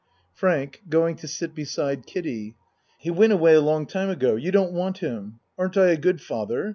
FRANK (Going to sit beside Kiddie.) He went away a long time ago You don't want him. Aren't I a good father?